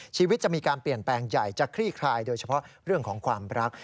ชีวิตจะมีการเปลี่ยนแปลงใหญ่จะคลี่คลายโดยเฉพาะเรื่องของความรัก